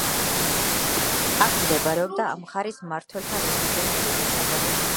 აქ მდებარეობდა ამ მხარის მმართველთა რეზიდენცია და საგვარეულო ციხე-სიმაგრე.